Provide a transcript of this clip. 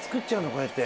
こうやって。